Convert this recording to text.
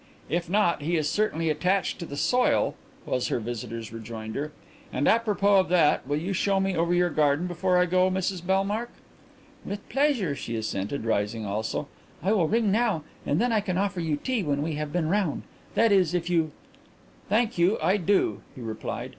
"If not, he is certainly attached to the soil," was her visitor's rejoinder. "And, apropos of that, will you show me over your garden before I go, Mrs Bellmark?" "With pleasure," she assented, rising also. "I will ring now and then I can offer you tea when we have been round. That is, if you ?" "Thank you, I do," he replied.